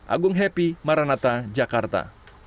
agung happy maranata jakarta